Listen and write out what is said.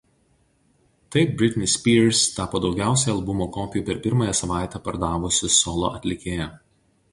Taip Britney Spears tapo daugiausiai albumo kopijų per pirmąja savaitę pardavusi solo atlikėja.